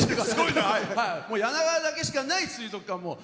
柳川だけしかない水族館も。